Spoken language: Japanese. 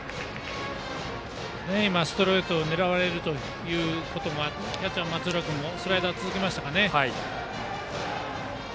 ストレートを狙われるということもあってキャッチャー、松浦君もスライダーを続けましたね。